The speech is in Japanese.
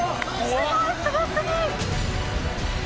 すごいすごすぎ！